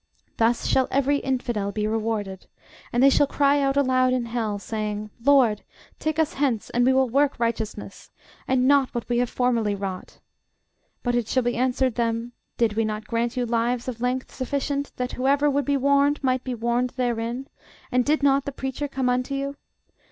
Thus shall every infidel be rewarded. And they shall cry out aloud in hell, saying, LORD, take us hence, and we will work righteousness, and not what we have formerly wrought. But it shall be answered them, Did we not grant you lives of length sufficient, that whoever would be warned might be warned therein; and did not the preacher come unto you?